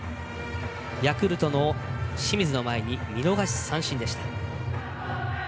ヤクルトの清水を前に見逃し三振でした。